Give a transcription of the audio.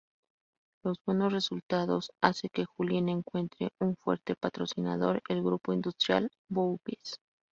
Los buenos resultados hace que Julien encuentre un fuerte patrocinador, el grupo industrial "Bouygues".